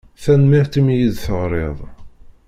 Tanemmirt i mi yi-d-teɣṛiḍ.